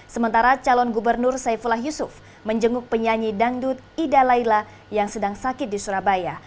sementara calon gubernur saifullah yusuf menjenguk penyanyi dangdut ida laila yang sedang sakit di surabaya